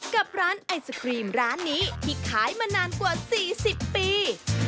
กับร้านไอศครีมร้านนี้ที่ขายมานานกว่า๔๐ปี